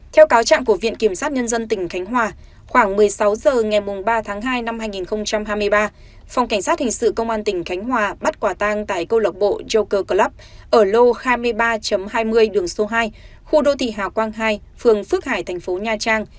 theo cáo trạng của viện kiểm sát nhân dân tỉnh khánh hòa khoảng một mươi sáu h ngày ba tháng hai năm hai nghìn hai mươi ba phòng cảnh sát hình sự công an tỉnh khánh hòa bắt quả tang tại câu lộc bộ joker club ở lô hai mươi ba hai mươi đường số hai khu đô thị hà quang hai phường phước hải thành phố nha trang